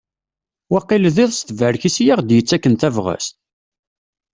Wakil d iḍ s tebrek-is i aɣ-d-yettakken tabɣest?